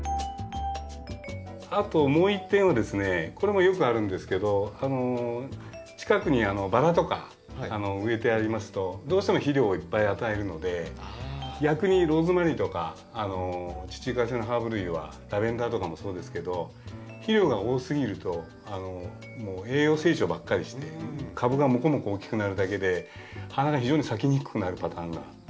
あともう一点はですねこれもよくあるんですけど近くにバラとか植えてありますとどうしても肥料をいっぱい与えるので逆にローズマリーとか地中海性のハーブ類はラベンダーとかもそうですけど肥料が多すぎると栄養成長ばっかりして株がモコモコ大きくなるだけで花が非常に咲きにくくなるパターンがよくあります。